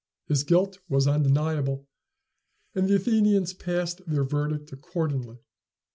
His guilt was undeniable, and the Athenians passed their verdict accordingly.